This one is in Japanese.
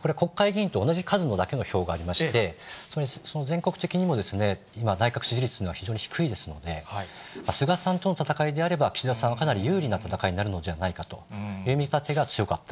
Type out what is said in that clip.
これ、国会議員と同じ数だけの票がありまして、その全国的にも今、内閣支持率が非常に低いですので、菅さんとの戦いであれば、岸田さんはかなり有利な戦いになるのではないかという見立てが強かった。